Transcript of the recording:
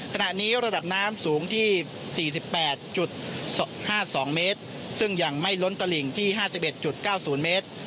ขณะนี้ระดับน้ำสูงที่๔๘๕๒เมตรซึ่งยังไม่ล้นตลิ่งที่๕๑๙๐เมตร